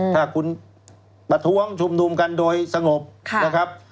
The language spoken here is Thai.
ถ้าคุณประท้วงชุมนุมกันโดยสงบนะครับ